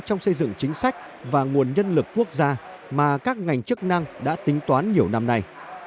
trong xây dựng chính sách và nguồn nhân lực quốc gia mà các ngành chức năng đã tính toán nhiều năm nay